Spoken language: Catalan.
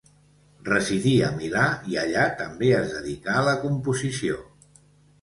Residí a Milà i allà també es dedicà a la composició.